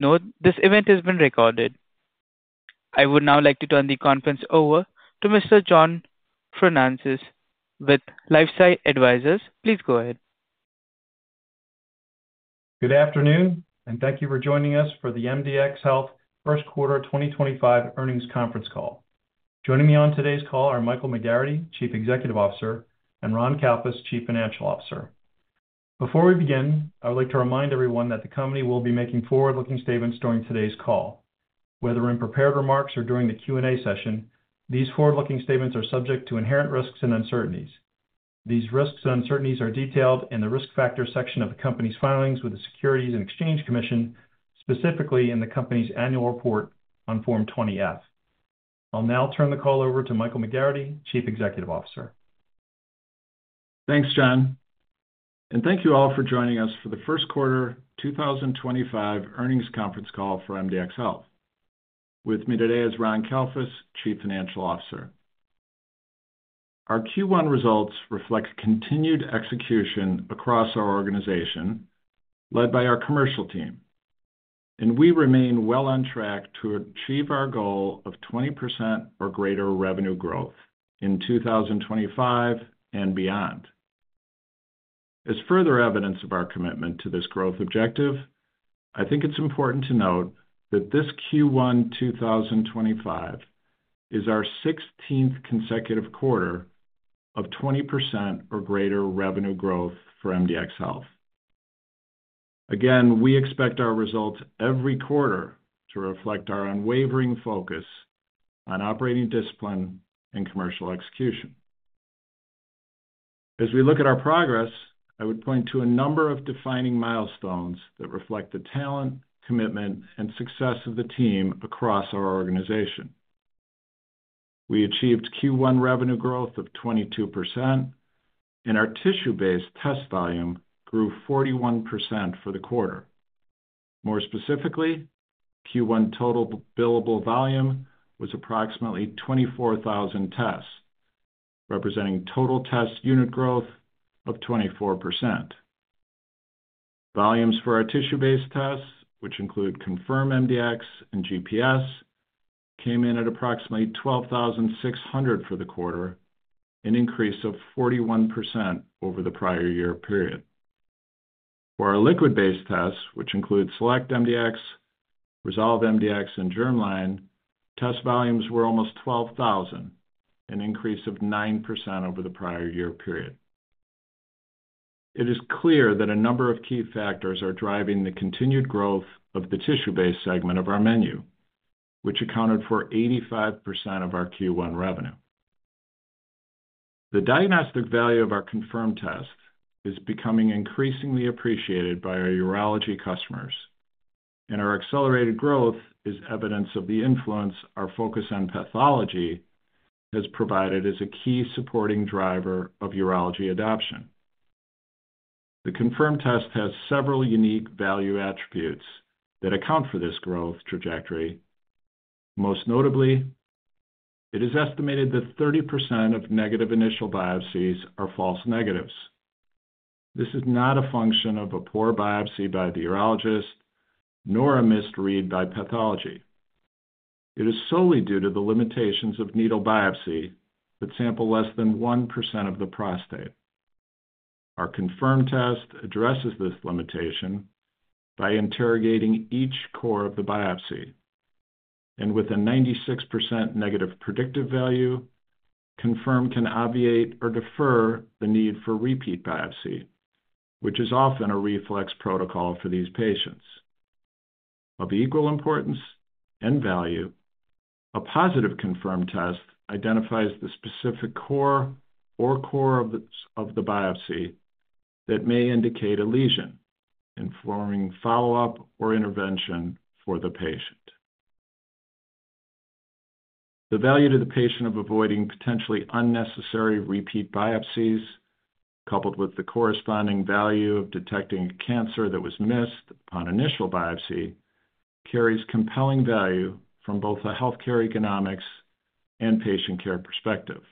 Note: This event has been recorded. I would now like to turn the conference over to Mr. John Fraunces with LifeSci Advisors. Please go ahead. Good afternoon, and thank you for joining us for the MDxHealth first quarter 2025 earnings conference call. Joining me on today's call are Michael McGarrity, Chief Executive Officer, and Ron Kalfus, Chief Financial Officer. Before we begin, I would like to remind everyone that the company will be making forward-looking statements during today's call. Whether in prepared remarks or during the Q&A session, these forward-looking statements are subject to inherent risks and uncertainties. These risks and uncertainties are detailed in the risk factors section of the company's filings with the Securities and Exchange Commission, specifically in the company's annual report on Form 20F. I'll now turn the call over to Michael McGarrity, Chief Executive Officer. Thanks, John. Thank you all for joining us for the first quarter 2025 earnings conference call for MDxHealth. With me today is Ron Kalfus, Chief Financial Officer. Our Q1 results reflect continued execution across our organization, led by our commercial team, and we remain well on track to achieve our goal of 20% or greater revenue growth in 2025 and beyond. As further evidence of our commitment to this growth objective, I think it's important to note that this Q1 2025 is our 16th consecutive quarter of 20% or greater revenue growth for MDxHealth. Again, we expect our results every quarter to reflect our unwavering focus on operating discipline and commercial execution. As we look at our progress, I would point to a number of defining milestones that reflect the talent, commitment, and success of the team across our organization. We achieved Q1 revenue growth of 22%, and our tissue-based test volume grew 41% for the quarter. More specifically, Q1 total billable volume was approximately 24,000 tests, representing total test unit growth of 24%. Volumes for our tissue-based tests, which include Confirm MDx and GPS, came in at approximately 12,600 for the quarter, an increase of 41% over the prior year period. For our liquid-based tests, which include Select MDx, Resolve MDx, and Germline, test volumes were almost 12,000, an increase of 9% over the prior year period. It is clear that a number of key factors are driving the continued growth of the tissue-based segment of our menu, which accounted for 85% of our Q1 revenue. The diagnostic value of our Confirm tests is becoming increasingly appreciated by our urology customers, and our accelerated growth is evidence of the influence our focus on pathology has provided as a key supporting driver of urology adoption. The Confirm test has several unique value attributes that account for this growth trajectory. Most notably, it is estimated that 30% of negative initial biopsies are false negatives. This is not a function of a poor biopsy by the urologist, nor a misread by pathology. It is solely due to the limitations of needle biopsy that sample less than 1% of the prostate. Our Confirm test addresses this limitation by interrogating each core of the biopsy, and with a 96% negative predictive value, Confirm can obviate or defer the need for repeat biopsy, which is often a reflex protocol for these patients. Of equal importance and value, a positive Confirm test identifies the specific core or cores of the biopsy that may indicate a lesion, informing follow-up or intervention for the patient. The value to the patient of avoiding potentially unnecessary repeat biopsies, coupled with the corresponding value of detecting a cancer that was missed upon initial biopsy, carries compelling value from both a healthcare economics and patient care perspective.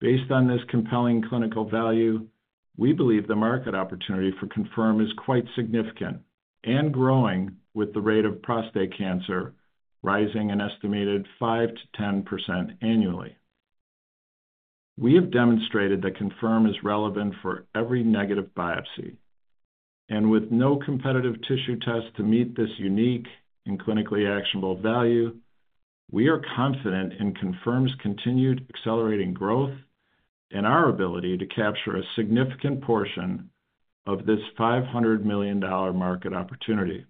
Based on this compelling clinical value, we believe the market opportunity for Confirm is quite significant and growing with the rate of prostate cancer rising an estimated 5%-10% annually. We have demonstrated that Confirm is relevant for every negative biopsy, and with no competitive tissue test to meet this unique and clinically actionable value, we are confident in Confirm's continued accelerating growth and our ability to capture a significant portion of this $500 million market opportunity.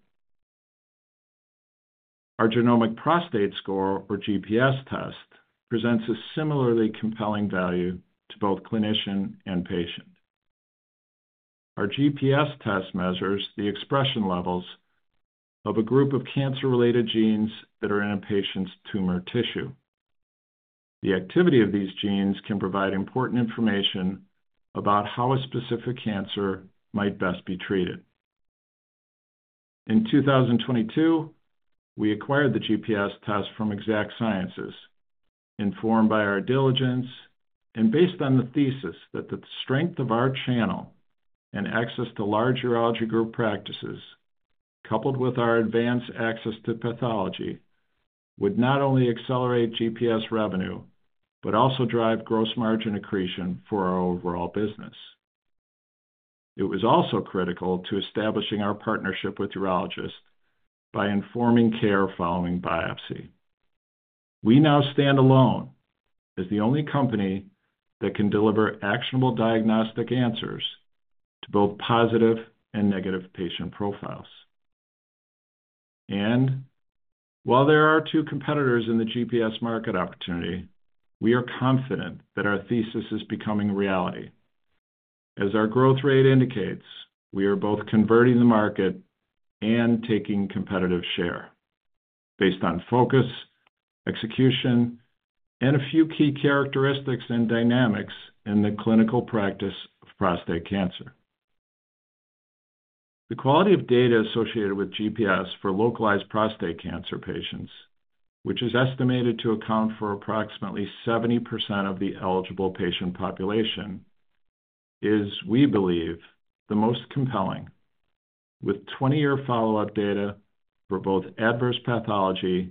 Our Genomic Prostate Score, or GPS test, presents a similarly compelling value to both clinician and patient. Our GPS test measures the expression levels of a group of cancer-related genes that are in a patient's tumor tissue. The activity of these genes can provide important information about how a specific cancer might best be treated. In 2022, we acquired the GPS test from Exact Sciences, informed by our diligence and based on the thesis that the strength of our channel and access to large urology group practices, coupled with our advanced access to pathology, would not only accelerate GPS revenue but also drive gross margin accretion for our overall business. It was also critical to establishing our partnership with urologists by informing care following biopsy. We now stand alone as the only company that can deliver actionable diagnostic answers to both positive and negative patient profiles. While there are two competitors in the GPS market opportunity, we are confident that our thesis is becoming reality. As our growth rate indicates, we are both converting the market and taking competitive share based on focus, execution, and a few key characteristics and dynamics in the clinical practice of prostate cancer. The quality of data associated with GPS for localized prostate cancer patients, which is estimated to account for approximately 70% of the eligible patient population, is, we believe, the most compelling, with 20-year follow-up data for both adverse pathology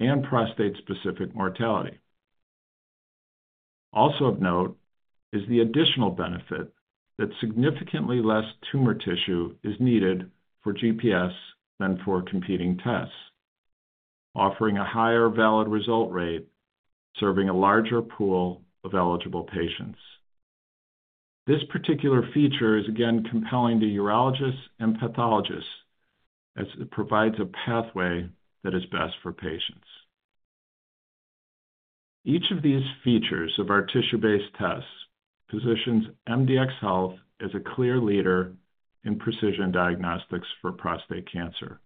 and prostate-specific mortality. Also of note is the additional benefit that significantly less tumor tissue is needed for GPS than for competing tests, offering a higher valid result rate serving a larger pool of eligible patients. This particular feature is again compelling to urologists and pathologists as it provides a pathway that is best for patients. Each of these features of our tissue-based tests positions MDxHealth as a clear leader in precision diagnostics for prostate cancer,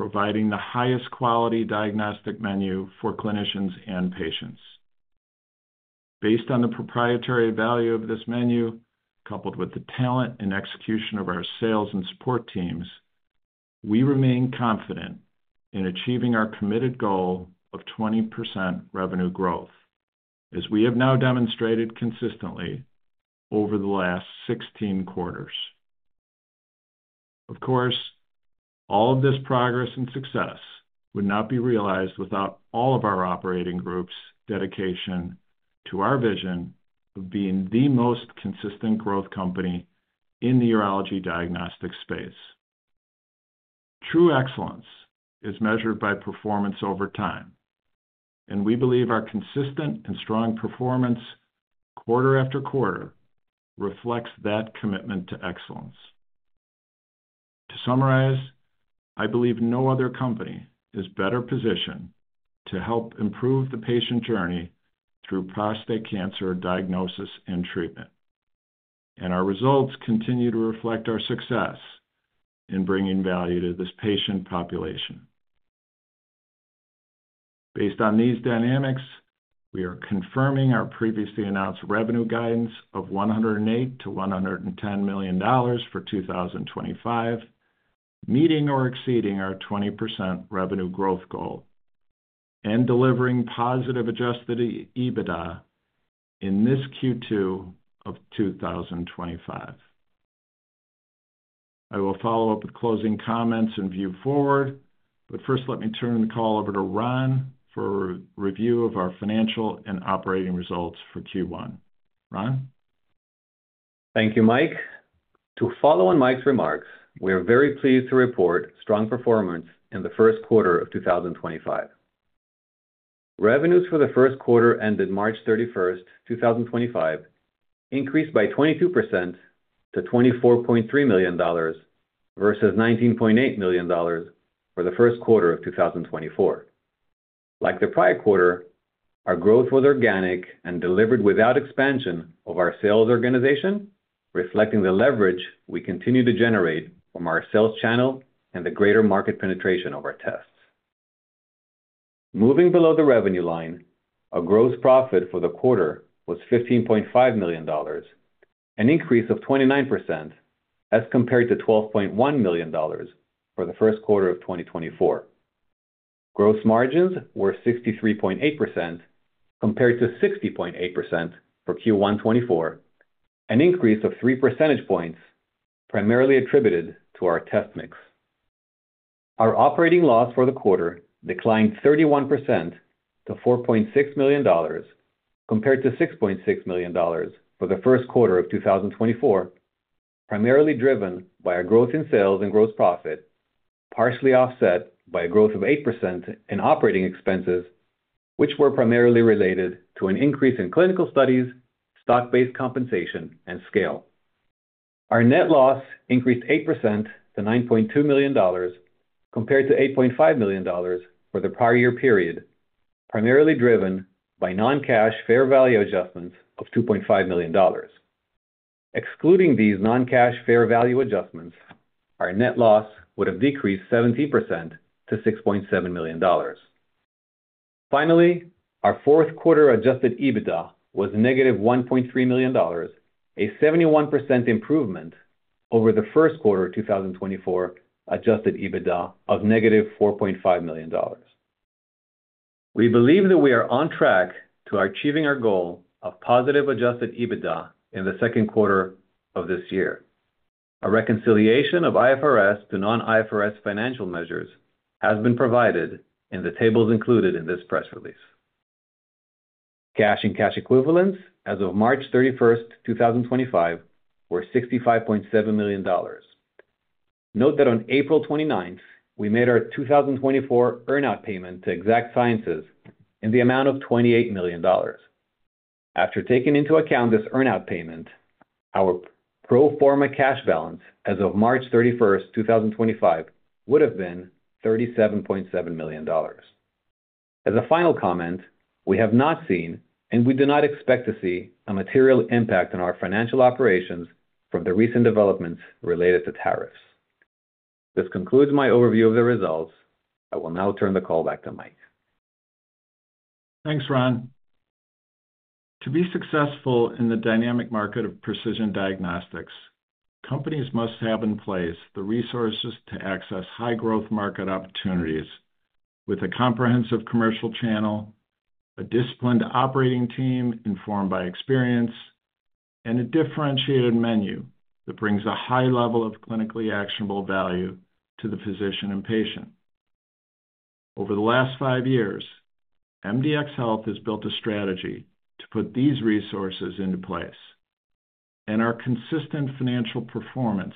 providing the highest quality diagnostic menu for clinicians and patients. Based on the proprietary value of this menu, coupled with the talent and execution of our sales and support teams, we remain confident in achieving our committed goal of 20% revenue growth, as we have now demonstrated consistently over the last 16 quarters. Of course, all of this progress and success would not be realized without all of our operating groups' dedication to our vision of being the most consistent growth company in the urology diagnostic space. True excellence is measured by performance over time, and we believe our consistent and strong performance, quarter after quarter, reflects that commitment to excellence. To summarize, I believe no other company is better positioned to help improve the patient journey through prostate cancer diagnosis and treatment, and our results continue to reflect our success in bringing value to this patient population. Based on these dynamics, we are confirming our previously announced revenue guidance of $108 million-$110 million for 2025, meeting or exceeding our 20% revenue growth goal, and delivering positive Adjusted EBITDA in this Q2 of 2025. I will follow up with closing comments and view forward, but first, let me turn the call over to Ron for a review of our financial and operating results for Q1. Ron? Thank you, Mike. To follow on Mike's remarks, we are very pleased to report strong performance in the first quarter of 2025. Revenues for the first quarter ended March 31st, 2025, increased by 22% to $24.3 million versus $19.8 million for the first quarter of 2024. Like the prior quarter, our growth was organic and delivered without expansion of our sales organization, reflecting the leverage we continue to generate from our sales channel and the greater market penetration of our tests. Moving below the revenue line, our gross profit for the quarter was $15.5 million, an increase of 29% as compared to $12.1 million for the first quarter of 2024. Gross margins were 63.8% compared to 60.8% for Q1 24, an increase of 3 percentage points primarily attributed to our test mix. Our operating loss for the quarter declined 31% to $4.6 million compared to $6.6 million for the first quarter of 2024, primarily driven by a growth in sales and gross profit, partially offset by a growth of 8% in operating expenses, which were primarily related to an increase in clinical studies, stock-based compensation, and scale. Our net loss increased 8% to $9.2 million compared to $8.5 million for the prior year period, primarily driven by non-cash fair value adjustments of $2.5 million. Excluding these non-cash fair value adjustments, our net loss would have decreased 17% to $6.7 million. Finally, our fourth quarter Adjusted EBITDA was -$1.3 million, a 71% improvement over the first quarter 2024 Adjusted EBITDA of -$4.5 million. We believe that we are on track to achieving our goal of positive Adjusted EBITDA in the second quarter of this year. A reconciliation of IFRS to non-IFRS financial measures has been provided in the tables included in this press release. Cash and cash equivalents as of March 31st, 2025, were $65.7 million. Note that on April 29, we made our 2024 earn-out payment to Exact Sciences in the amount of $28 million. After taking into account this earn-out payment, our pro forma cash balance as of March 31st, 2025, would have been $37.7 million. As a final comment, we have not seen, and we do not expect to see, a material impact on our financial operations from the recent developments related to tariffs. This concludes my overview of the results. I will now turn the call back to Mike. Thanks, Ron. To be successful in the dynamic market of precision diagnostics, companies must have in place the resources to access high-growth market opportunities with a comprehensive commercial channel, a disciplined operating team informed by experience, and a differentiated menu that brings a high level of clinically actionable value to the physician and patient. Over the last five years, MDxHealth has built a strategy to put these resources into place, and our consistent financial performance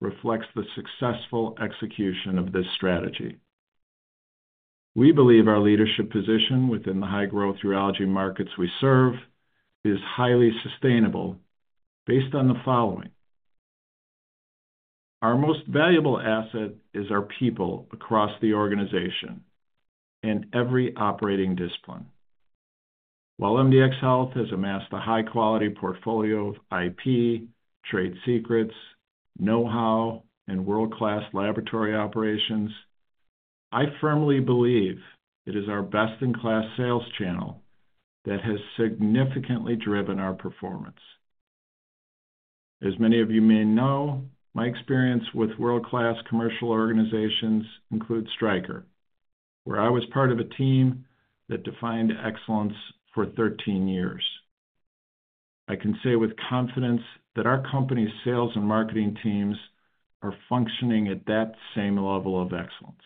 reflects the successful execution of this strategy. We believe our leadership position within the high-growth urology markets we serve is highly sustainable based on the following: our most valuable asset is our people across the organization and every operating discipline. While MDxHealth has amassed a high-quality portfolio of IP, trade secrets, know-how, and world-class laboratory operations, I firmly believe it is our best-in-class sales channel that has significantly driven our performance. As many of you may know, my experience with world-class commercial organizations includes Stryker, where I was part of a team that defined excellence for 13 years. I can say with confidence that our company's sales and marketing teams are functioning at that same level of excellence.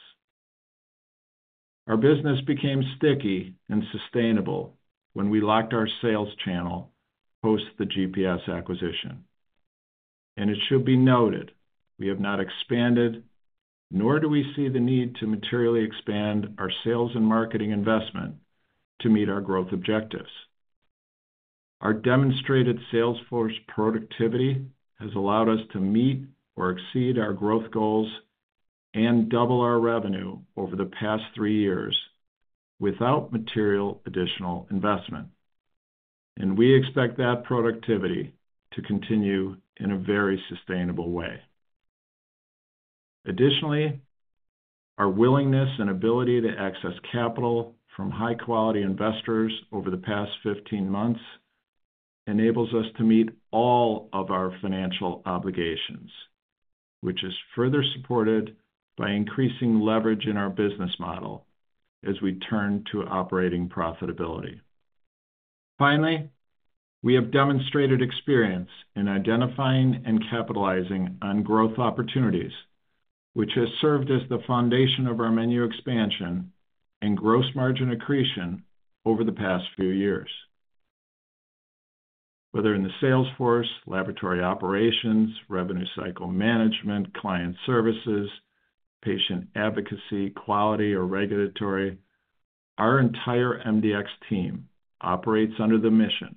Our business became sticky and sustainable when we locked our sales channel post the GPS acquisition, and it should be noted we have not expanded, nor do we see the need to materially expand our sales and marketing investment to meet our growth objectives. Our demonstrated sales force productivity has allowed us to meet or exceed our growth goals and double our revenue over the past three years without material additional investment, and we expect that productivity to continue in a very sustainable way. Additionally, our willingness and ability to access capital from high-quality investors over the past 15 months enables us to meet all of our financial obligations, which is further supported by increasing leverage in our business model as we turn to operating profitability. Finally, we have demonstrated experience in identifying and capitalizing on growth opportunities, which has served as the foundation of our menu expansion and gross margin accretion over the past few years. Whether in the sales force, laboratory operations, revenue cycle management, client services, patient advocacy, quality, or regulatory, our entire MDxHealth team operates under the mission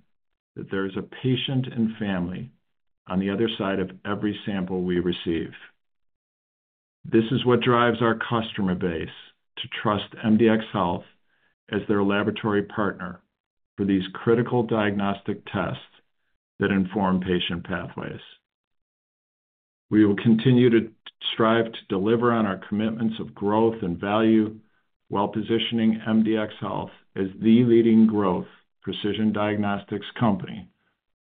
that there is a patient and family on the other side of every sample we receive. This is what drives our customer base to trust MDxHealth as their laboratory partner for these critical diagnostic tests that inform patient pathways. We will continue to strive to deliver on our commitments of growth and value, while positioning MDxHealth as the leading growth precision diagnostics company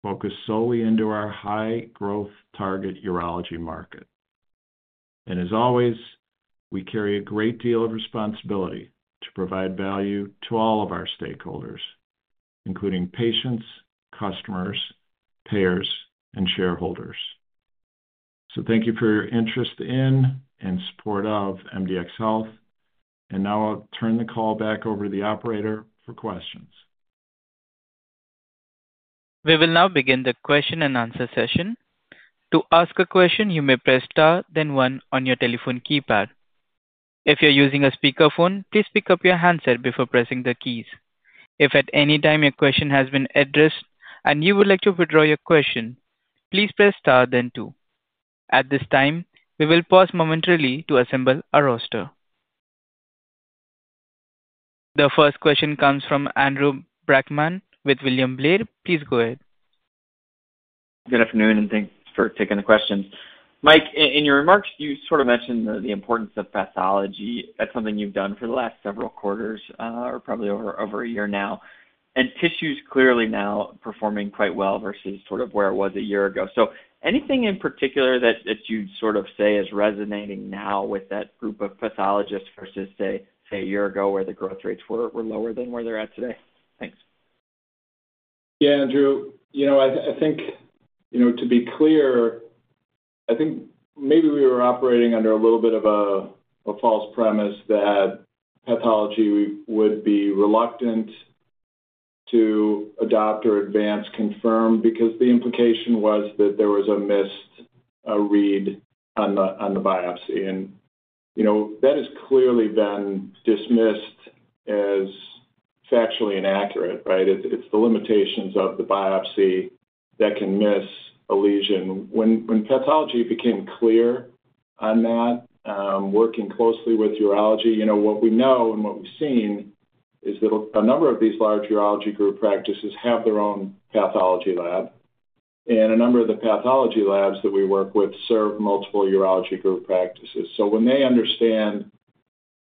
focused solely into our high-growth target urology market. As always, we carry a great deal of responsibility to provide value to all of our stakeholders, including patients, customers, payers, and shareholders. Thank you for your interest in and support of MDxHealth, and now I'll turn the call back over to the operator for questions. We will now begin the question and answer session. To ask a question, you may press star then star one on your telephone keypad. If you're using a speakerphone, please pick up your handset before pressing the keys. If at any time your question has been addressed and you would like to withdraw your question, please press star then star two. At this time, we will pause momentarily to assemble a roster. The first question comes from Andrew Brackmann with William Blair. Please go ahead. Good afternoon, and thanks for taking the question. Mike, in your remarks, you sort of mentioned the importance of pathology. That's something you've done for the last several quarters or probably over a year now, and tissue's clearly now performing quite well versus sort of where it was a year ago. Anything in particular that you'd sort of say is resonating now with that group of pathologists versus, say, a year ago where the growth rates were lower than where they're at today? Thanks. Yeah, Andrew. You know, I think, to be clear, I think maybe we were operating under a little bit of a false premise that pathology would be reluctant to adopt or advance Confirm because the implication was that there was a missed read on the biopsy. And that has clearly been dismissed as factually inaccurate, right? It's the limitations of the biopsy that can miss a lesion. When pathology became clear on that, working closely with urology, you know what we know and what we've seen is that a number of these large urology group practices have their own pathology lab, and a number of the pathology labs that we work with serve multiple urology group practices. So when they understand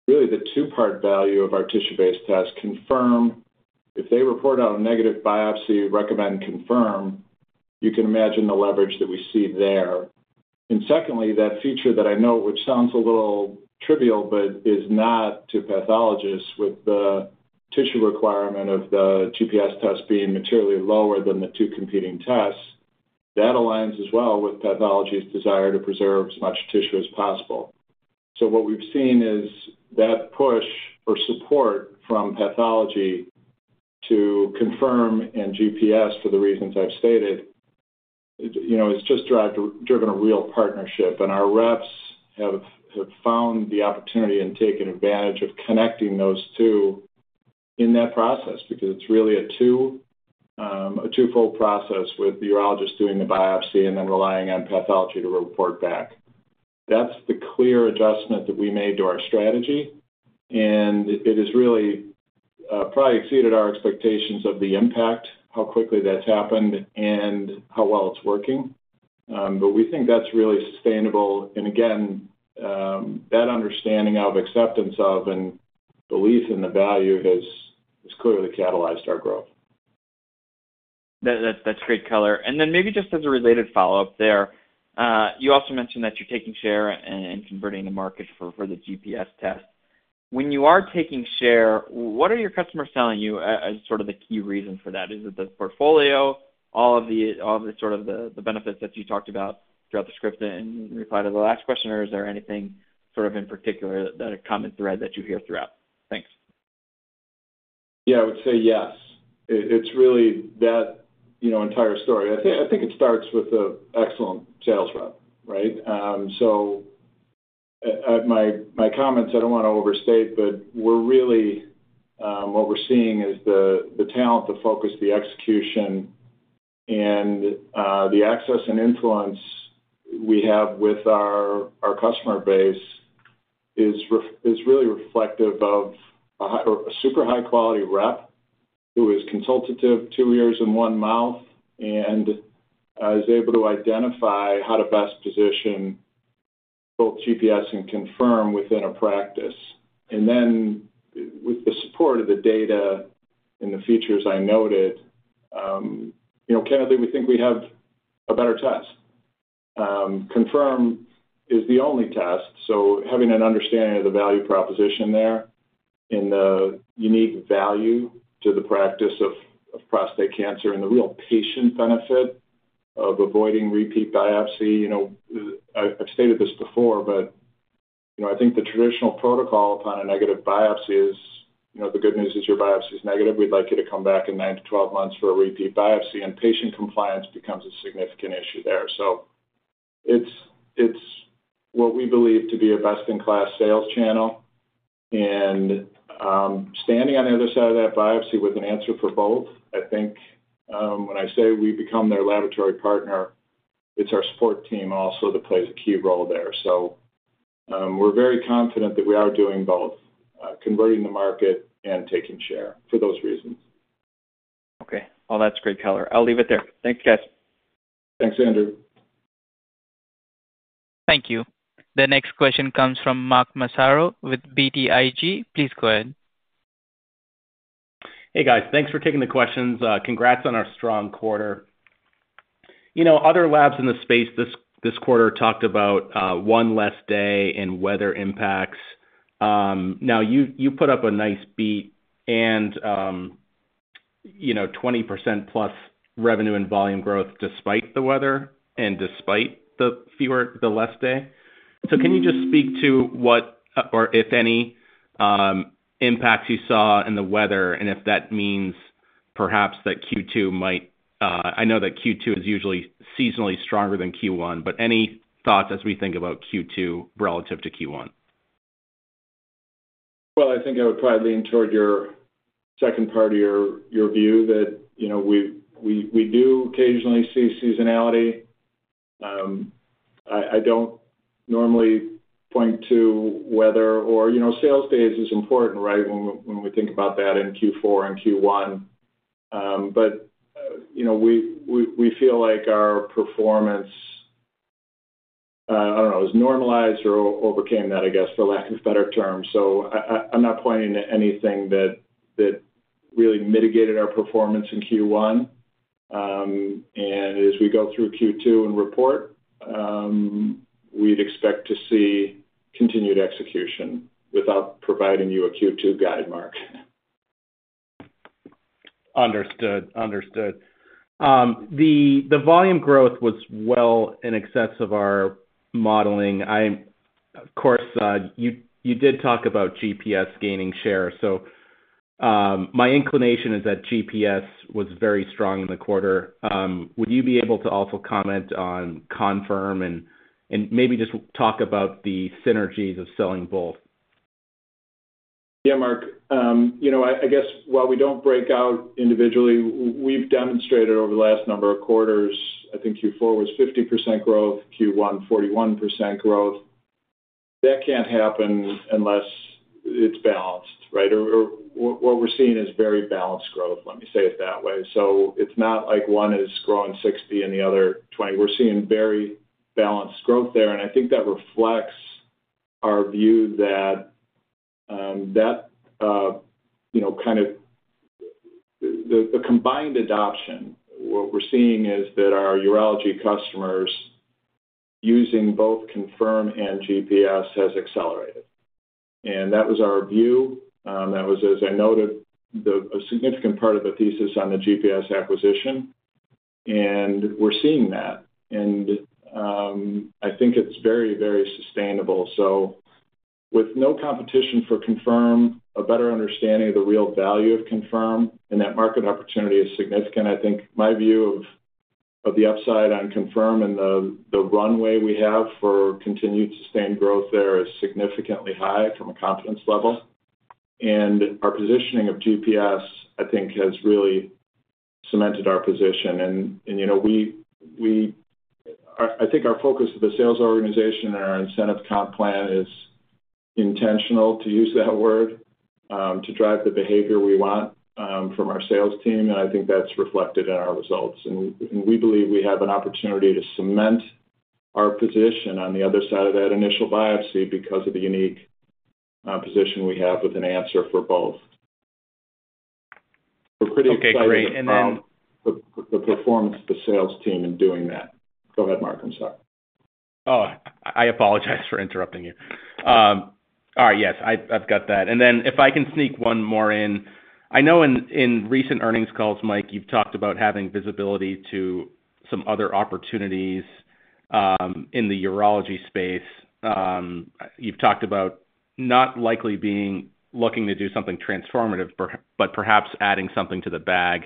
really the two-part value of our tissue-based test Confirm, if they report out a negative biopsy, recommend Confirm, you can imagine the leverage that we see there. Secondly, that feature that I know, which sounds a little trivial but is not to pathologists with the tissue requirement of the GPS test being materially lower than the two competing tests, that aligns as well with pathology's desire to preserve as much tissue as possible. What we've seen is that push for support from pathology to Confirm and GPS for the reasons I've stated has just driven a real partnership, and our reps have found the opportunity and taken advantage of connecting those two in that process because it's really a twofold process with the urologist doing the biopsy and then relying on pathology to report back. That's the clear adjustment that we made to our strategy, and it has really probably exceeded our expectations of the impact, how quickly that's happened, and how well it's working. We think that's really sustainable. That understanding of acceptance of and belief in the value has clearly catalyzed our growth. That's great color. Maybe just as a related follow-up there, you also mentioned that you're taking share and converting the market for the GPS test. When you are taking share, what are your customers telling you as sort of the key reason for that? Is it the portfolio, all of the sort of the benefits that you talked about throughout the script and reply to the last question, or is there anything sort of in particular that a common thread that you hear throughout? Thanks. Yeah, I would say yes. It's really that entire story. I think it starts with an excellent sales rep, right? My comments, I don't want to overstate, but what we're really seeing is the talent, the focus, the execution, and the access and influence we have with our customer base is really reflective of a super high-quality rep who is consultative, two ears and one mouth, and is able to identify how to best position both GPS and Confirm within a practice. With the support of the data and the features I noted, candidly, we think we have a better test. Confirm is the only test. Having an understanding of the value proposition there and the unique value to the practice of prostate cancer and the real patient benefit of avoiding repeat biopsy. I've stated this before, but I think the traditional protocol upon a negative biopsy is the good news is your biopsy is negative. We'd like you to come back in 9-12 months for a repeat biopsy, and patient compliance becomes a significant issue there. It is what we believe to be a best-in-class sales channel, and standing on the other side of that biopsy with an answer for both, I think when I say we become their laboratory partner, it's our support team also that plays a key role there. We are very confident that we are doing both, converting the market and taking share for those reasons. Okay. That is great color. I'll leave it there. Thanks, guys. Thanks, Andrew. Thank you. The next question comes from Mark Massaro with BTIG. Please go ahead. Hey, guys. Thanks for taking the questions. Congrats on a strong quarter. Other labs in the space this quarter talked about one less day and weather impacts. Now, you put up a nice beat and 20%+ revenue and volume growth despite the weather and despite the less day. Can you just speak to what or if any impacts you saw in the weather and if that means perhaps that Q2 might—I know that Q2 is usually seasonally stronger than Q1, but any thoughts as we think about Q2 relative to Q1? I think I would probably lean toward your second part of your view that we do occasionally see seasonality. I do not normally point to weather or sales days as important, right, when we think about that in Q4 and Q1, but we feel like our performance, I do not know, has normalized or overcame that, I guess, for lack of a better term. I am not pointing to anything that really mitigated our performance in Q1. As we go through Q2 and report, we would expect to see continued execution without providing you a Q2 guide, Mark. Understood. Understood. The volume growth was well in excess of our modeling. Of course, you did talk about GPS gaining share. My inclination is that GPS was very strong in the quarter. Would you be able to also comment on Confirm and maybe just talk about the synergies of selling both? Yeah, Mark. I guess while we don't break out individually, we've demonstrated over the last number of quarters, I think Q4 was 50% growth, Q1 41% growth. That can't happen unless it's balanced, right? What we're seeing is very balanced growth, let me say it that way. It's not like one is growing 60 and the other 20. We're seeing very balanced growth there, and I think that reflects our view that kind of the combined adoption, what we're seeing is that our urology customers using both Confirm and GPS has accelerated. That was our view. That was, as I noted, a significant part of the thesis on the GPS acquisition, and we're seeing that. I think it's very, very sustainable. With no competition for Confirm, a better understanding of the real value of Confirm, and that market opportunity is significant, I think my view of the upside on Confirm and the runway we have for continued sustained growth there is significantly high from a confidence level. Our positioning of GPS, I think, has really cemented our position. I think our focus of the sales organization and our incentive comp plan is intentional, to use that word, to drive the behavior we want from our sales team, and I think that is reflected in our results. We believe we have an opportunity to cement our position on the other side of that initial biopsy because of the unique position we have with an answer for both. Okay. Great. Then. The performance of the sales team in doing that. Go ahead, Mark. I'm sorry. Oh, I apologize for interrupting you. All right. Yes, I've got that. If I can sneak one more in, I know in recent earnings calls, Mike, you've talked about having visibility to some other opportunities in the urology space. You've talked about not likely being looking to do something transformative, but perhaps adding something to the bag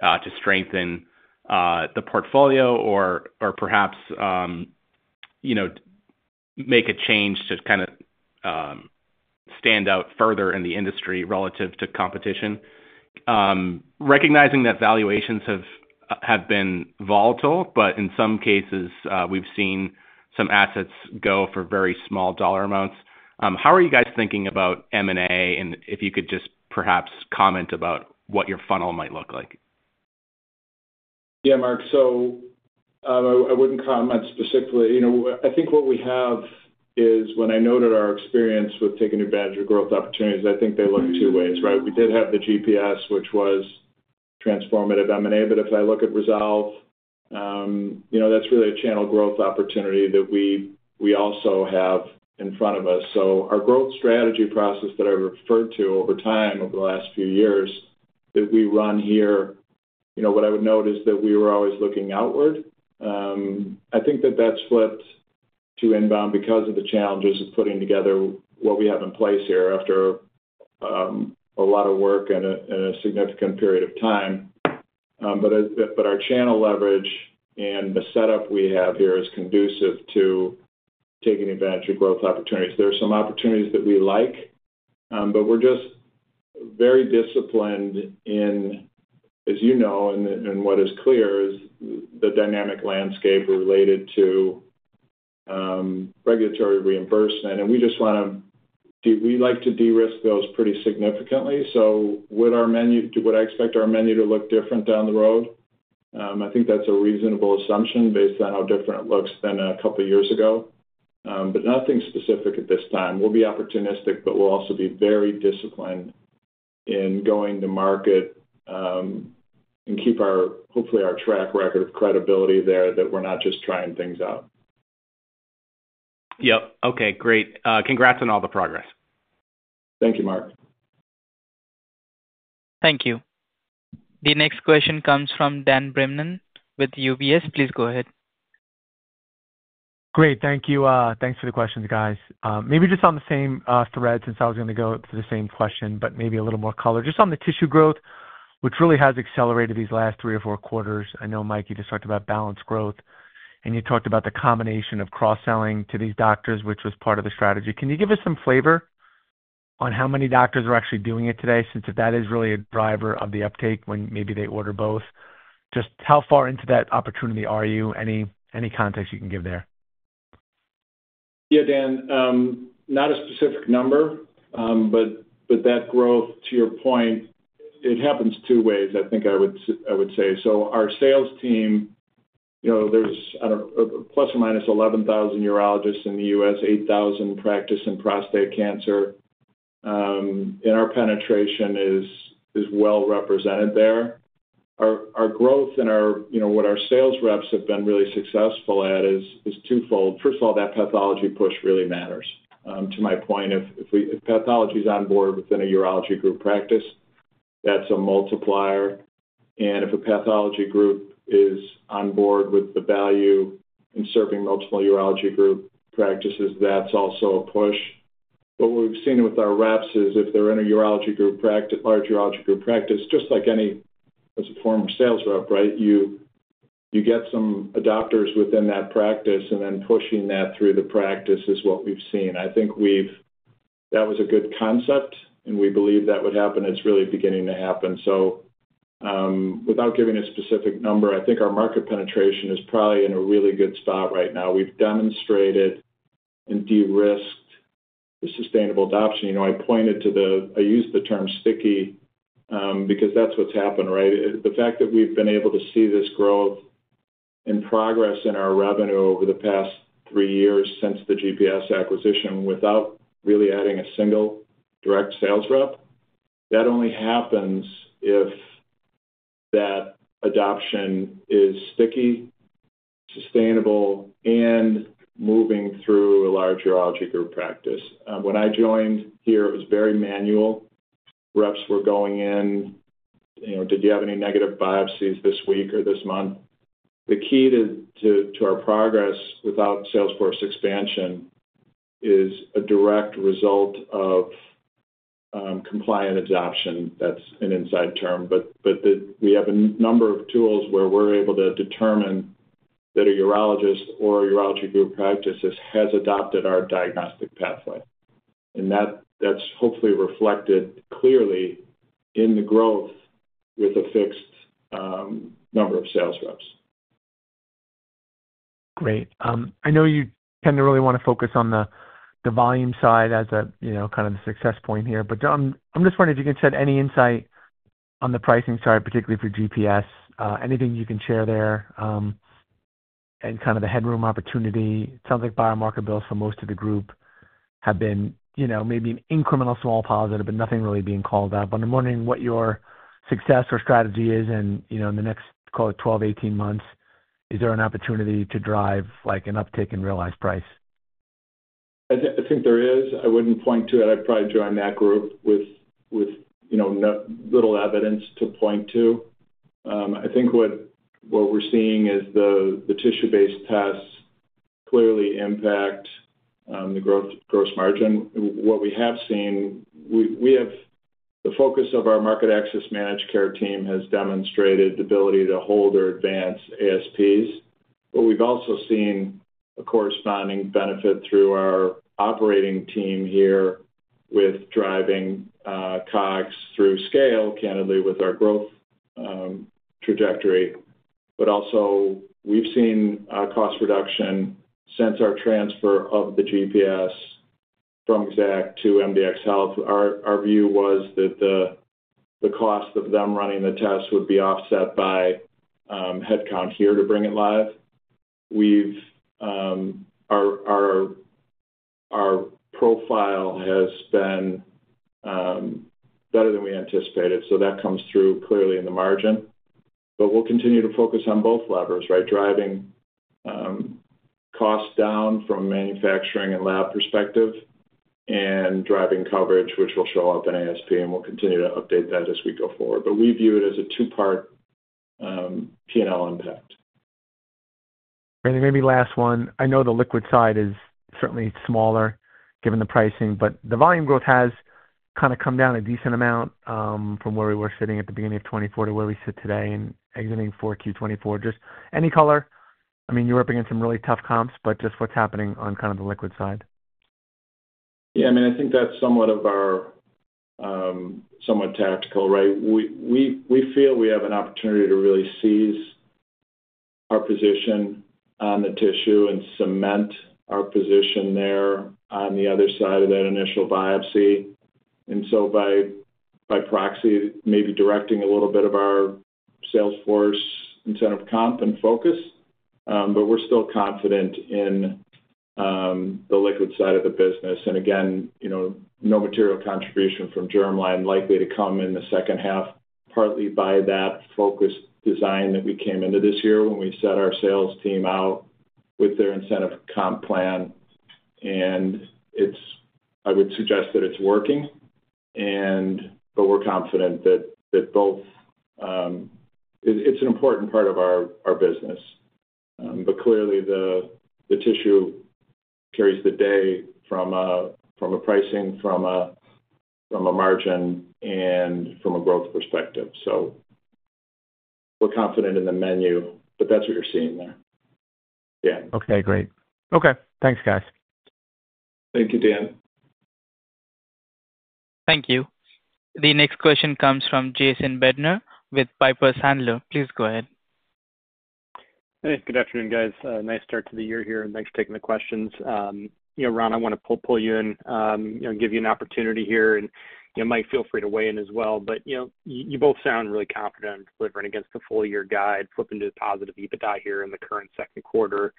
to strengthen the portfolio or perhaps make a change to kind of stand out further in the industry relative to competition. Recognizing that valuations have been volatile, but in some cases, we've seen some assets go for very small dollar amounts. How are you guys thinking about M&A? If you could just perhaps comment about what your funnel might look like. Yeah, Mark. So I wouldn't comment specifically. I think what we have is when I noted our experience with taking advantage of growth opportunities, I think they look two ways, right? We did have the GPS, which was transformative M&A, but if I look at Resolve, that's really a channel growth opportunity that we also have in front of us. Our growth strategy process that I referred to over time over the last few years that we run here, what I would note is that we were always looking outward. I think that that's flipped to inbound because of the challenges of putting together what we have in place here after a lot of work and a significant period of time. Our channel leverage and the setup we have here is conducive to taking advantage of growth opportunities. There are some opportunities that we like, but we're just very disciplined in, as you know, and what is clear is the dynamic landscape related to regulatory reimbursement. We just want to, we like to de-risk those pretty significantly. Would I expect our menu to look different down the road? I think that's a reasonable assumption based on how different it looks than a couple of years ago, but nothing specific at this time. We'll be opportunistic, but we'll also be very disciplined in going to market and keep our, hopefully our track record of credibility there that we're not just trying things out. Yep. Okay. Great. Congrats on all the progress. Thank you, Mark. Thank you. The next question comes from Dan Brennan with UBS. Please go ahead. Great. Thank you. Thanks for the questions, guys. Maybe just on the same thread since I was going to go to the same question, but maybe a little more color. Just on the tissue growth, which really has accelerated these last three or four quarters. I know, Mike, you just talked about balanced growth, and you talked about the combination of cross-selling to these doctors, which was part of the strategy. Can you give us some flavor on how many doctors are actually doing it today since that is really a driver of the uptake when maybe they order both? Just how far into that opportunity are you? Any context you can give there. Yeah, Dan, not a specific number, but that growth, to your point, it happens two ways, I think I would say. Our sales team, there's plus or minus 11,000 urologists in the U.S., 8,000 practice in prostate cancer, and our penetration is well represented there. Our growth and what our sales reps have been really successful at is twofold. First of all, that pathology push really matters to my point. If pathology is on board within a urology group practice, that's a multiplier. If a pathology group is on board with the value in serving multiple urology group practices, that's also a push. What we've seen with our reps is if they're in a large urology group practice, just like any former sales rep, right, you get some adopters within that practice, and then pushing that through the practice is what we've seen. I think that was a good concept, and we believe that would happen. It's really beginning to happen. Without giving a specific number, I think our market penetration is probably in a really good spot right now. We've demonstrated and de-risked the sustainable adoption. I pointed to the I used the term sticky because that's what's happened, right? The fact that we've been able to see this growth in progress in our revenue over the past three years since the GPS acquisition without really adding a single direct sales rep, that only happens if that adoption is sticky, sustainable, and moving through a large urology group practice. When I joined here, it was very manual. Reps were going in. Did you have any negative biopsies this week or this month? The key to our progress without Salesforce expansion is a direct result of compliant adoption. That's an inside term, but we have a number of tools where we're able to determine that a urologist or a urology group practice has adopted our diagnostic pathway. That's hopefully reflected clearly in the growth with a fixed number of sales reps. Great. I know you tend to really want to focus on the volume side as kind of the success point here, but I'm just wondering if you can share any insight on the pricing side, particularly for GPS, anything you can share there and kind of the headroom opportunity. It sounds like buyer market bills for most of the group have been maybe an incremental small positive, but nothing really being called up. I'm wondering what your success or strategy is in the next, call it, 12, 18 months. Is there an opportunity to drive an uptick in realized price? I think there is. I would not point to it. I would probably join that group with little evidence to point to. I think what we are seeing is the tissue-based tests clearly impact the gross margin. What we have seen, the focus of our market access managed care team has demonstrated the ability to hold or advance ASPs, but we have also seen a corresponding benefit through our operating team here with driving costs through scale, candidly, with our growth trajectory. We have also seen cost reduction since our transfer of the GPS from Exact to MDxHealth. Our view was that the cost of them running the tests would be offset by headcount here to bring it live. Our profile has been better than we anticipated, so that comes through clearly in the margin. We will continue to focus on both levers, right, driving costs down from a manufacturing and lab perspective and driving coverage, which will show up in ASP, and we will continue to update that as we go forward. We view it as a two-part P&L impact. All right. Maybe last one. I know the liquid side is certainly smaller given the pricing, but the volume growth has kind of come down a decent amount from where we were sitting at the beginning of 2024 to where we sit today and exiting for Q2 2024. Just any color. I mean, you're up against some really tough comps, but just what's happening on kind of the liquid side? Yeah. I mean, I think that's somewhat tactical, right? We feel we have an opportunity to really seize our position on the tissue and cement our position there on the other side of that initial biopsy. By proxy, maybe directing a little bit of our Salesforce incentive comp and focus, but we're still confident in the liquid side of the business. Again, no material contribution from Germline likely to come in the second half, partly by that focus design that we came into this year when we set our sales team out with their incentive comp plan. I would suggest that it's working, but we're confident that both it's an important part of our business. Clearly, the tissue carries the day from a pricing, from a margin, and from a growth perspective. We're confident in the menu, but that's what you're seeing there. Yeah. Okay. Great. Okay. Thanks, guys. Thank you, Dan. Thank you. The next question comes from Jason Bednar with Piper Sandler. Please go ahead. Hey. Good afternoon, guys. Nice start to the year here. Thanks for taking the questions. Ron, I want to pull you in, give you an opportunity here. And Mike, feel free to weigh in as well. You both sound really confident in delivering against the full-year guide, flipping to the positive EBITDA here in the current second quarter.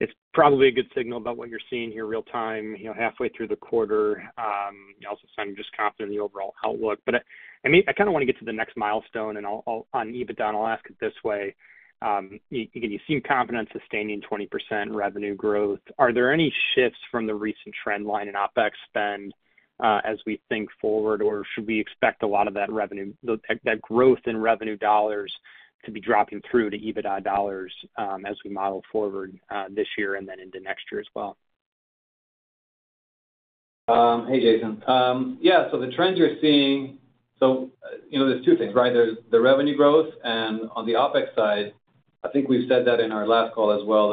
It's probably a good signal about what you're seeing here real-time halfway through the quarter. You also sound just confident in the overall outlook. I mean, I kind of want to get to the next milestone, and on EBITDA, and I'll ask it this way. You seem confident in sustaining 20% revenue growth. Are there any shifts from the recent trend line in OpEx spend as we think forward, or should we expect a lot of that growth in revenue dollars to be dropping through to EBITDA dollars as we model forward this year and then into next year as well? Hey, Jason. Yeah. The trends you're seeing, so there's two things, right? There's the revenue growth. On the OpEx side, I think we've said that in our last call as well,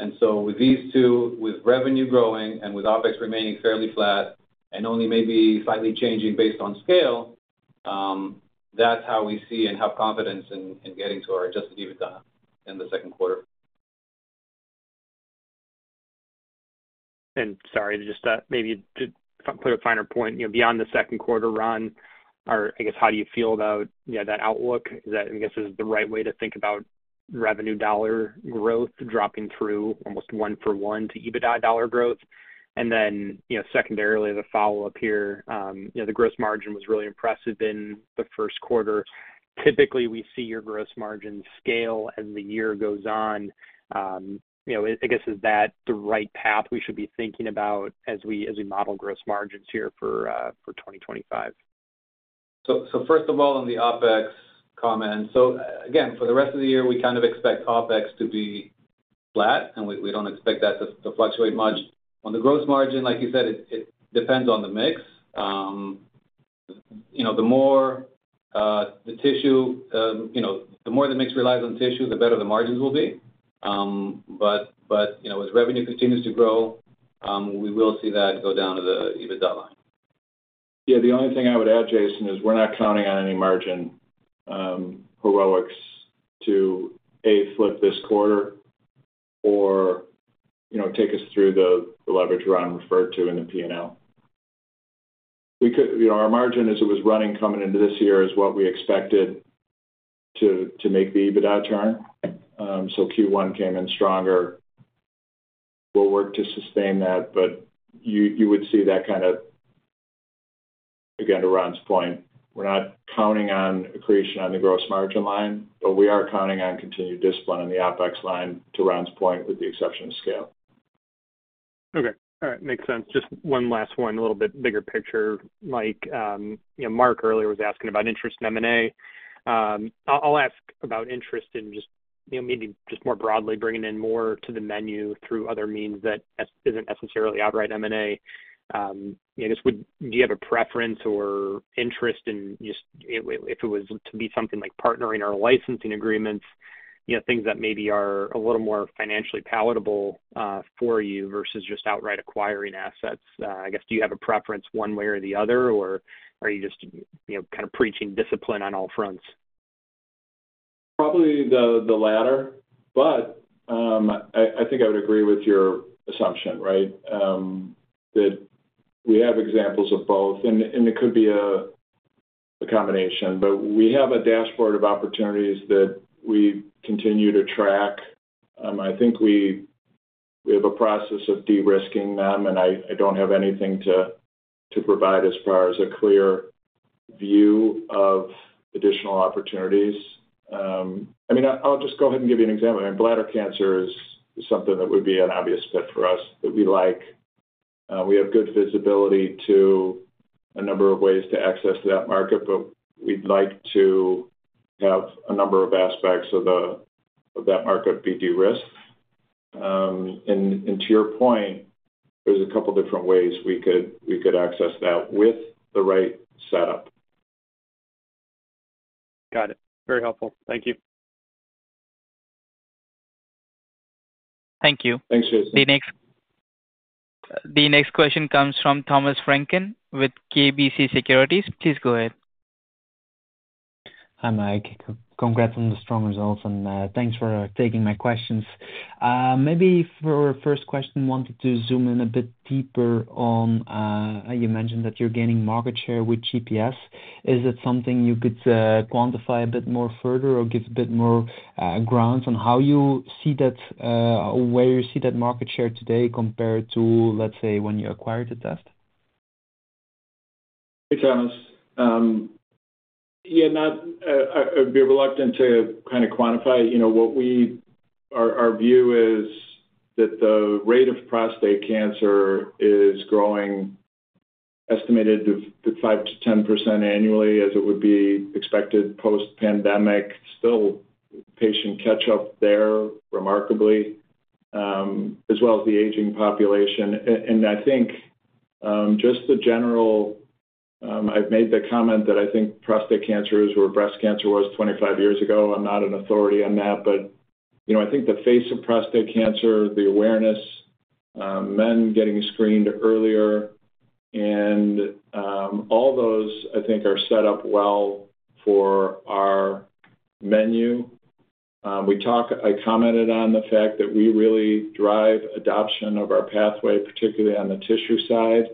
that we expect to keep OpEx fairly flat. With these two, with revenue growing and with OpEx remaining fairly flat and only maybe slightly changing based on scale, that's how we see and have confidence in getting to our Adjusted EBITDA in the second quarter. Sorry, just maybe to put a finer point, beyond the second quarter run, I guess, how do you feel about that outlook? I guess this is the right way to think about revenue dollar growth dropping through almost one-for-one to EBITDA dollar growth. Then, secondarily, the follow-up here, the gross margin was really impressive in the first quarter. Typically, we see your gross margin scale as the year goes on. I guess, is that the right path we should be thinking about as we model gross margins here for 2025? First of all, on the OpEx comment, again, for the rest of the year, we kind of expect OpEx to be flat, and we do not expect that to fluctuate much. On the gross margin, like you said, it depends on the mix. The more the tissue, the more the mix relies on tissue, the better the margins will be. As revenue continues to grow, we will see that go down to the EBITDA line. Yeah. The only thing I would add, Jason, is we are not counting on any margin heroics to, A, flip this quarter, or take us through the leverage Ron referred to in the P&L. Our margin, as it was running coming into this year, is what we expected to make the EBITDA turn. Q1 came in stronger. We'll work to sustain that, but you would see that kind of, again, to Ron's point, we're not counting on accretion on the gross margin line, but we are counting on continued discipline on the OpEx line to Ron's point, with the exception of scale. Okay. All right. Makes sense. Just one last one, a little bit bigger picture. Mike, Mark earlier was asking about interest in M&A. I'll ask about interest in just maybe just more broadly, bringing in more to the menu through other means that isn't necessarily outright M&A. I guess, do you have a preference or interest in just if it was to be something like partnering or licensing agreements, things that maybe are a little more financially palatable for you versus just outright acquiring assets? I guess, do you have a preference one way or the other, or are you just kind of preaching discipline on all fronts? Probably the latter, but I think I would agree with your assumption, right, that we have examples of both. It could be a combination, but we have a dashboard of opportunities that we continue to track. I think we have a process of de-risking them, and I do not have anything to provide as far as a clear view of additional opportunities. I mean, I'll just go ahead and give you an example. I mean, bladder cancer is something that would be an obvious fit for us that we like. We have good visibility to a number of ways to access that market, but we'd like to have a number of aspects of that market be de-risked. To your point, there are a couple of different ways we could access that with the right setup. Got it. Very helpful. Thank you. Thank you. Thanks, Jason. The next question comes from Thomas Vranken with KBC Securities. Please go ahead. Hi, Mike. Congrats on the strong results, and thanks for taking my questions. Maybe for our first question, wanted to zoom in a bit deeper on you mentioned that you're gaining market share with GPS. Is it something you could quantify a bit more further or give a bit more grounds on how you see that or where you see that market share today compared to, let's say, when you acquired the test? Hey, Thomas. Yeah, I'd be reluctant to kind of quantify what we, our view is that the rate of prostate cancer is growing, estimated to 5%-10% annually, as it would be expected post-pandemic. Still, patient catch-up there remarkably, as well as the aging population. I think just the general, I've made the comment that I think prostate cancer is where breast cancer was 25 years ago. I'm not an authority on that, but I think the face of prostate cancer, the awareness, men getting screened earlier, and all those, I think, are set up well for our menu. I commented on the fact that we really drive adoption of our pathway, particularly on the tissue side,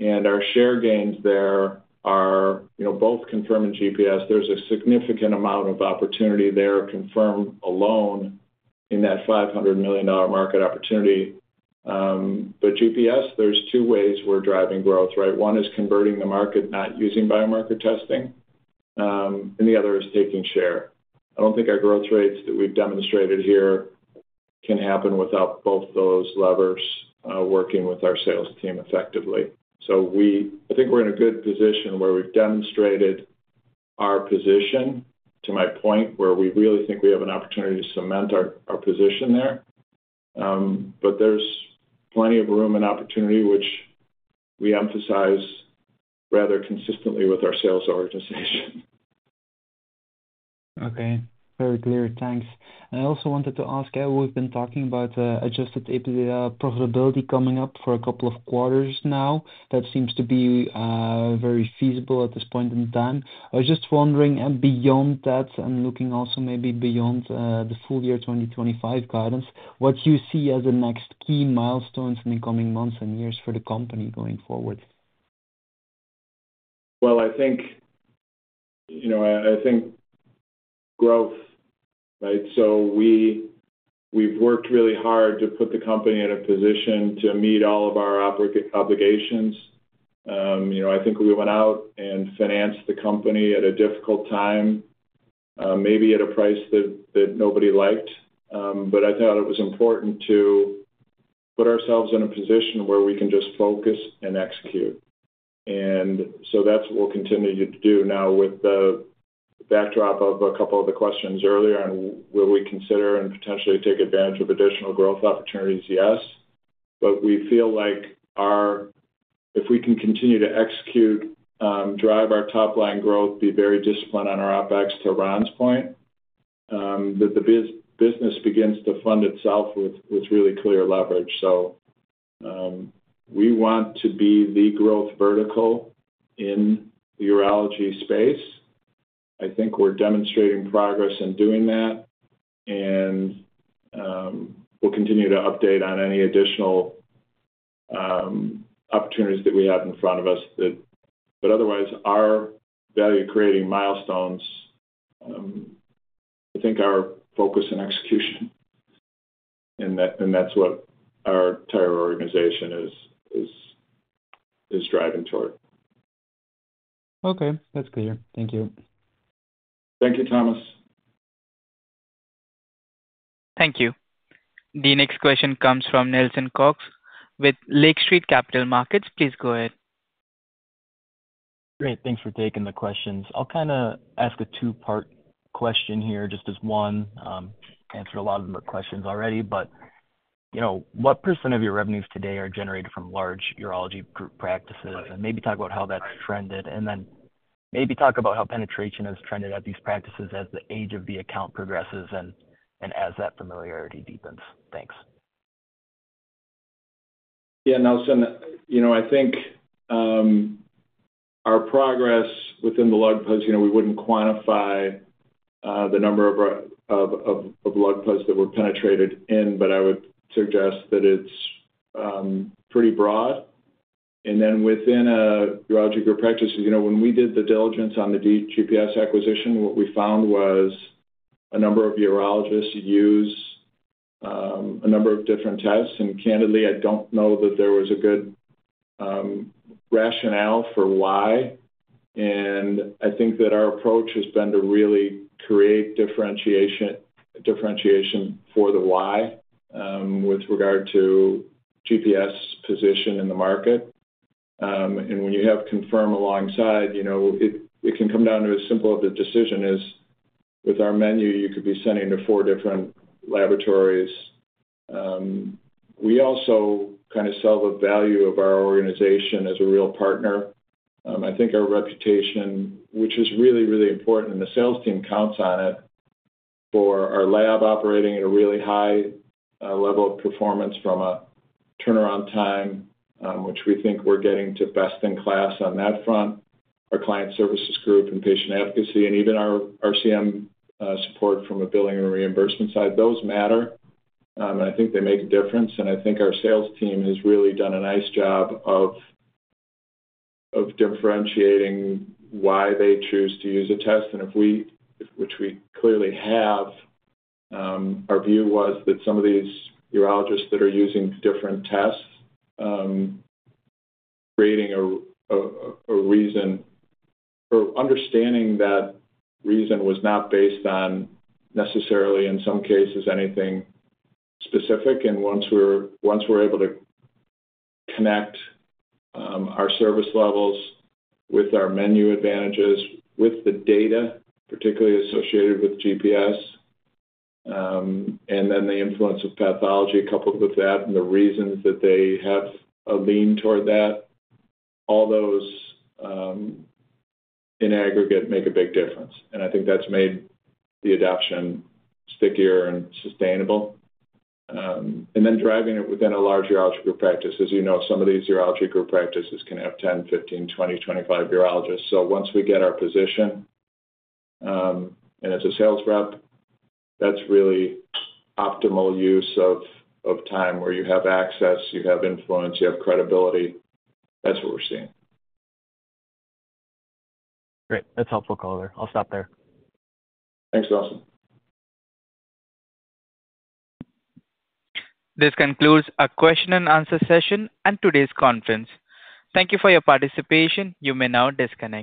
and our share gains there are both Confirm and GPS. There's a significant amount of opportunity there, Confirm alone in that $500 million market opportunity. GPS, there's two ways we're driving growth, right? One is converting the market, not using biomarker testing, and the other is taking share. I don't think our growth rates that we've demonstrated here can happen without both those levers working with our sales team effectively. I think we're in a good position where we've demonstrated our position to my point, where we really think we have an opportunity to cement our position there. There's plenty of room and opportunity, which we emphasize rather consistently with our sales organization. Okay. Very clear. Thanks. I also wanted to ask, we've been talking about Adjusted EBITDA profitability coming up for a couple of quarters now. That seems to be very feasible at this point in time. I was just wondering, beyond that and looking also maybe beyond the full-year 2025 guidance, what you see as the next key milestones in the coming months and years for the company going forward? I think growth, right? So we've worked really hard to put the company in a position to meet all of our obligations. I think we went out and financed the company at a difficult time, maybe at a price that nobody liked. I thought it was important to put ourselves in a position where we can just focus and execute. That is what we'll continue to do now with the backdrop of a couple of the questions earlier on. Will we consider and potentially take advantage of additional growth opportunities? Yes. We feel like if we can continue to execute, drive our top-line growth, be very disciplined on our OpEx, to Ron's point, that the business begins to fund itself with really clear leverage. We want to be the growth vertical in the urology space. I think we're demonstrating progress in doing that, and we'll continue to update on any additional opportunities that we have in front of us. Otherwise, our value-creating milestones, I think our focus and execution, and that's what our entire organization is driving toward. Okay. That's clear. Thank you. Thank you, Thomas. Thank you. The next question comes from Nelson Cox with Lake Street Capital Markets. Please go ahead. Great. Thanks for taking the questions. I'll kind of ask a two-part question here just as one. Answered a lot of the questions already, but what percent of your revenues today are generated from large urology practices? And maybe talk about how that's trended, and then maybe talk about how penetration has trended at these practices as the age of the account progresses and as that familiarity deepens. Thanks. Yeah. Nelson, I think our progress within the LUGPAs, we would not quantify the number of LUGPAs that we are penetrated in, but I would suggest that it is pretty broad. Within urology group practices, when we did the diligence on the GPS acquisition, what we found was a number of urologists use a number of different tests. Candidly, I do not know that there was a good rationale for why. I think that our approach has been to really create differentiation for the why with regard to GPS position in the market. When you have Confirm alongside, it can come down to as simple as the decision is with our menu, you could be sending to four different laboratories. We also kind of sell the value of our organization as a real partner. I think our reputation, which is really, really important, and the sales team counts on it for our lab operating at a really high level of performance from a turnaround time, which we think we're getting to best in class on that front. Our client services group and patient advocacy and even our RCM support from a billing and reimbursement side, those matter. I think they make a difference. I think our sales team has really done a nice job of differentiating why they choose to use a test. Which we clearly have, our view was that some of these urologists that are using different tests, creating a reason or understanding that reason was not based on necessarily, in some cases, anything specific. Once we're able to connect our service levels with our menu advantages, with the data particularly associated with GPS, and then the influence of pathology coupled with that, and the reasons that they have a lean toward that, all those in aggregate make a big difference. I think that's made the adoption stickier and sustainable. Driving it within a large urology group practice, as you know, some of these urology group practices can have 10, 15, 20, 25 urologists. Once we get our position, and as a sales rep, that's really optimal use of time where you have access, you have influence, you have credibility. That's what we're seeing. Great. That's helpful color. I'll stop there. Thanks, Nelson. This concludes our question-and-answer session and today's conference. Thank you for your participation. You may now disconnect.